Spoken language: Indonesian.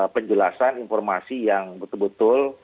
penjelasan informasi yang betul betul